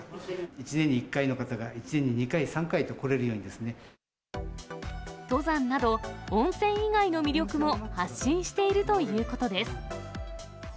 １年に１回の方が、１年に２回、登山など、温泉以外の魅力も発信しているということです。